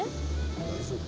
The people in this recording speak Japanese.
大丈夫？